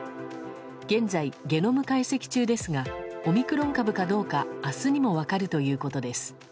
現在、ゲノム解析中ですがオミクロン株かどうか明日にも分かるということです。